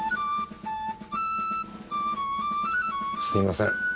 すみません。